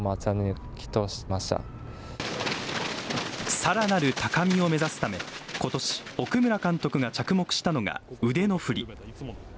さらなる高みを目指すためことし、奥村監督が着目したのが腕の振り。